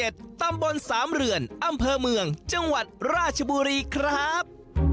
ตำบลสามเรือนอำเภอเมืองจังหวัดราชบุรีครับ